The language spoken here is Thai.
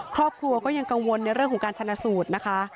ครอบครัวก็ยังกังวลในเรื่องของการชนะสูตรนะคะ